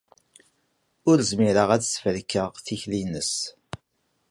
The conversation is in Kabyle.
Ur zmireɣ ad sferkeɣ tikli-nnes.